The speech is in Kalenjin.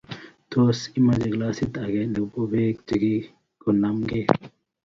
Tos, imache glasit age nebo beek chegigonamgei?